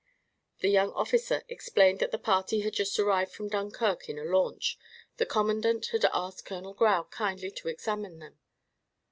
The young officer explained that the party had just arrived from Dunkirk in a launch; the commandant had asked Colonel Grau kindly to examine them.